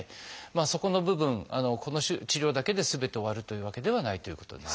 そこの部分この治療だけですべて終わるというわけではないということです。